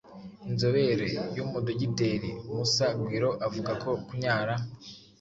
Inzobere y’ umudogiteri Moussa Guiro avuga ko kunyara